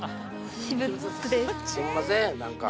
すいませんなんか。